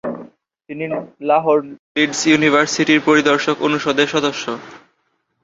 তিনি লাহোর লিডস ইউনিভার্সিটির পরিদর্শক অনুষদের সদস্য।